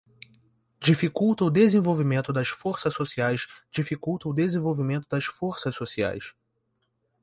dificulta o desenvolvimento das forças sociaisdificulta o desenvolvimento das forças sociais